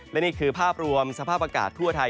และนี่คือภาพรวมสภาพอากาศทั่วไทย